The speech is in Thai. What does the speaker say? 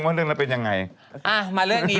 พระพุทธรูปสูงเก้าชั้นหมายความว่าสูงเก้าชั้น